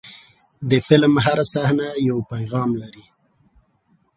د فلم هره صحنه یو پیغام لري.